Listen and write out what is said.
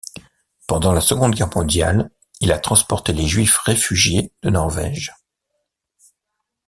Pendant la Seconde Guerre mondiale il a transporté les Juifs réfugiés de Norvège.